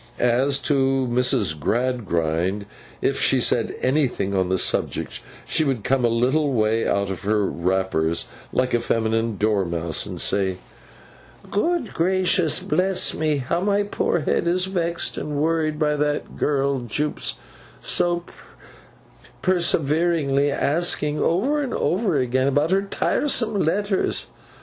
As to Mrs. Gradgrind, if she said anything on the subject, she would come a little way out of her wrappers, like a feminine dormouse, and say: 'Good gracious bless me, how my poor head is vexed and worried by that girl Jupe's so perseveringly asking, over and over again, about her tiresome letters!